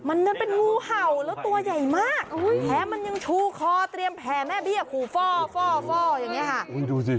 มันเป็นงูเห่าแล้วตัวใหญ่มากแผลมันยังชูคอเตรียมแผ่แม่เบี้ยขู่ฟ่ออย่างนี้ค่ะ